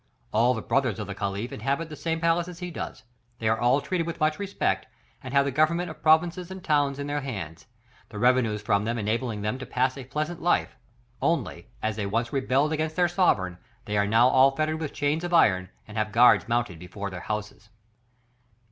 All the brothers of the Caliph inhabit the same palace as he does; they are all treated with much respect, and have the government of provinces and towns in their hands, the revenues from them enabling them to pass a pleasant life; only, as they once rebelled against their sovereign, they are now all fettered with chains of iron, and have guards mounted before their houses.